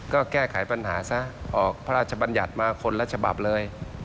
ก็แก้ไขปัญหาซะออกพระราชบัญญัติมาคนละฉบับเลย